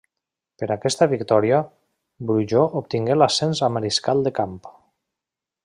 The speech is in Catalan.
Per aquesta victòria, Brujó obtingué l'ascens a mariscal de camp.